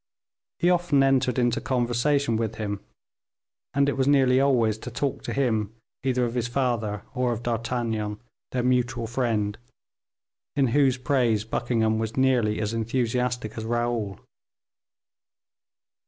He often entered into conversation with him, and it was nearly always to talk to him either of his father or of D'Artagnan, their mutual friend, in whose praise Buckingham was nearly as enthusiastic as Raoul.